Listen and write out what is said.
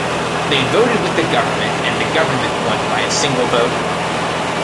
They voted with the government, and the government won by a single vote.